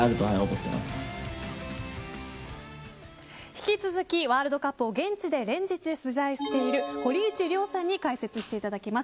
引き続き、ワールドカップを現地で連日取材している堀内涼さんに解説していただきます。